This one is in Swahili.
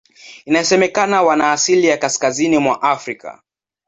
Inasemekana wana asili ya Kaskazini mwa Afrika.